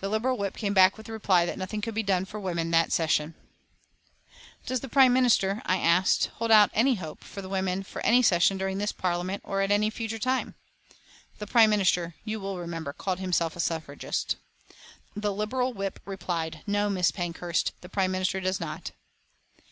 The Liberal whip came back with the reply that nothing could be done for women that session. [Illustration: MRS. PANKHURST ADDRESSING A BY ELECTION CROWD] "Does the Prime Minister," I asked, "hold out any hope for the women for any session during this Parliament, or at any future time?" The Prime Minister, you will remember, called himself a suffragist. The Liberal whip replied, "No, Mrs. Pankhurst, the Prime Minister does not."